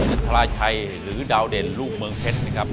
อินทราชัยหรือดาวเด่นลูกเมืองเพชรนะครับ